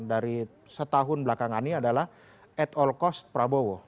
dari setahun belakangan ini adalah at all cost prabowo